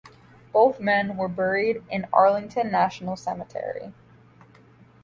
Both men were buried in Arlington National Cemetery.